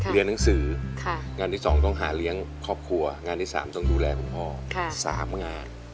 เรียนหนังสืองานที่๒ต้องหาเลี้ยงครอบครัวงานที่๓ต้องดูแลคุณพ่อ๓งาน